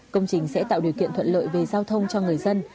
công trình sẽ tạo điều kiện thuận lợi về giao thông cho người dân